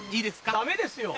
ダメですよ。